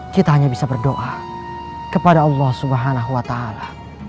kita hanya bisa berdoa kepada allah subhanahu wa ta'ala